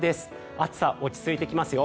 暑さ、落ち着いてきますよ。